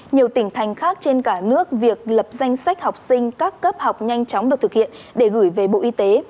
nhiều tỉnh thành khác trên cả nước việc lập danh sách học sinh các cấp học nhanh chóng được thực hiện để gửi về bộ y tế